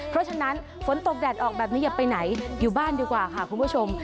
เพราะฉะนั้นฝนตกแดดออกแบบนี้อย่าไปไหนอยู่บ้านดีกว่าค่ะคุณผู้ชม